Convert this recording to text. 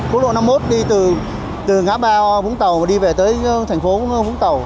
cố lộ năm mươi một đi từ ngã bao vũng tàu và đi về tới thành phố vũng tàu